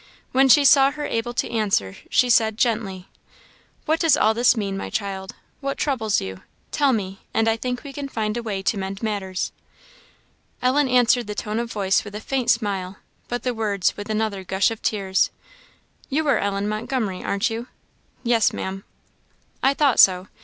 When she saw her able to answer, she said, gently "What does all this mean, my child? What troubles you? Tell me, and I think we can find a way to mend matters." Ellen answered the tone of voice with a faint smile, but the words with another gush of tears. "You are Ellen Montgomery, aren't you?" "Yes, Maam." "I thought so.